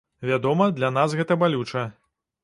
Вядома, для нас гэта балюча.